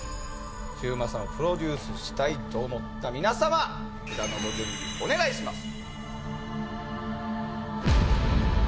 中馬さんをプロデュースしたいと思った皆様札のご準備お願いします。